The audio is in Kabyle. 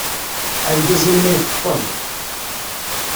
Argaz-im la yxeṭṭeb.